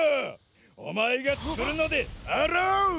おまえがつくるのであろう！